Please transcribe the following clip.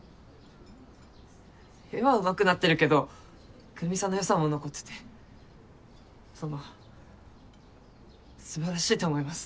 絵は上手くなってるけどくるみさんの良さも残っててその素晴らしいと思います。